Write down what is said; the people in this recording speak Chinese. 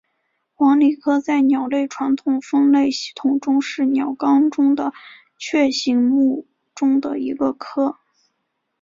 黄鹂科在鸟类传统分类系统中是鸟纲中的雀形目中的一个科。